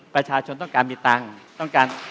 ประชาชนต้องการมีตังค์